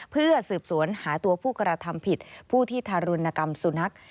เพื่อสืบสวนหาตัวผู้กระทำผิดผู้ที่ทารุณกรรมสุนัข